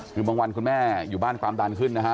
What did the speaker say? คือบางวันคุณแม่อยู่บ้านความดันขึ้นนะฮะ